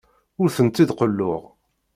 Ur tent-id-qelluɣ.